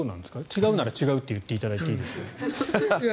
違うなら違うって言っていただいていいですよ。